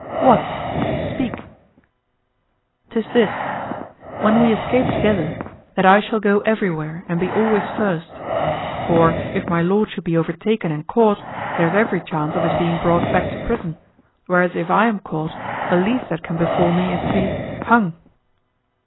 "What! speak!" "'Tis this: when we escape together, that I shall go everywhere and be always first; for if my lord should be overtaken and caught, there's every chance of his being brought back to prison, whereas if I am caught the least that can befall me is to be—hung."